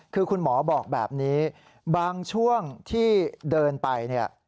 คือคุณหมอบอกแบบนี้บางช่วงที่เดินไปเนี่ย